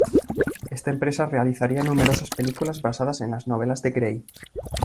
Esta empresa realizaría numerosas películas basadas en las novelas de Grey.